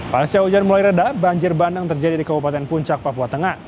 pasca hujan mulai reda banjir bandang terjadi di kabupaten puncak papua tengah